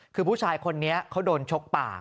คือผู้ชายคนนี้เขาโดนชกปาก